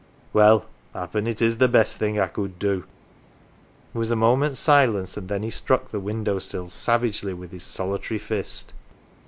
" Well, happen it is the best thing I could do." There was a moment's silence, and then he struck the window sill savagely with his solitary fist.